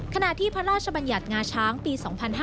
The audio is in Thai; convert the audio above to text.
ขณะที่พระราชบัญญัติงาช้างปี๒๕๕๙